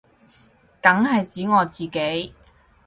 梗係指我自己